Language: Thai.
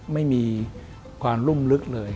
ไม่มีความรุ่มลึกเลย